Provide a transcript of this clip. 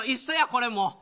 これも。